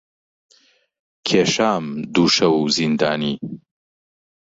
کێشام دوو شەو زیندانی